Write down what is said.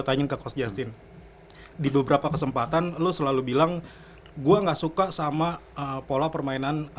tanyain ke coach justin di beberapa kesempatan lo selalu bilang gua nggak suka sama pola permainan